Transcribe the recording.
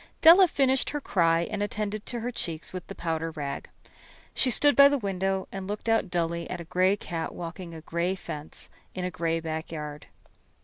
Della finished her cry and attended her cheeks with the powder rag. She stood by the window and looked out dully at a gray cat walking a gray fence in a gray backyard.